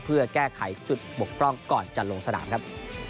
เพื่อแก้ไขจุดบกพร่องก่อนจะลงสนามครับ